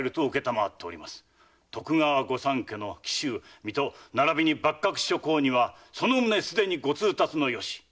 徳川御三家の紀州・水戸並びに幕閣諸侯にはその旨すでにご通達のよし。